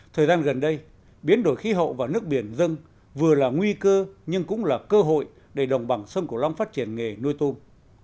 thời gian gần đây biến đổi khí hậu vào nước biển dâng vừa là nguy cơ nhưng cũng là cơ hội để đồng bằng sân cổ long phát triển nghề nuôi tôm